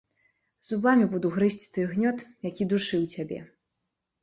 Зубамі буду грызці той гнёт, які душыў цябе!